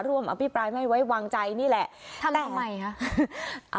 อภิปรายไม่ไว้วางใจนี่แหละทำทำไมคะ